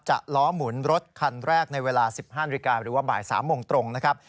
ล้อหมุนรถคันแรกในเวลา๑๕นาฬิกาหรือว่าบ่าย๓โมงตรงนะครับ